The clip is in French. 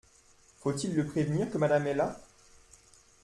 Faut-il le prévenir que Madame est là ?